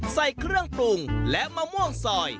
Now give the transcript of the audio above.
ใส่เครื่องปรุงและมะม่วงซอย